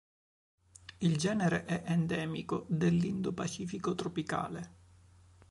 Il genere è endemico dell'Indo-Pacifico tropicale.